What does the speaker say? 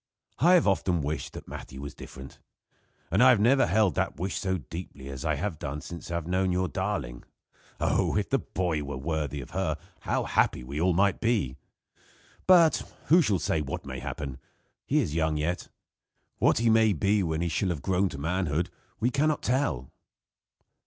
"I have often wished that Matthew was different; and I have never held the wish so deeply as I have done since I have known your darling. Oh! if the boy were worthy of her how happy we all might be! But, who shall say what may happen? He is young yet. What he may be when he shall have grown to manhood we can not tell."